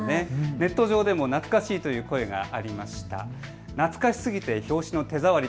ネット上でも懐かしいという声、ありました。